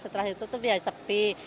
setelah ditutup ya sepi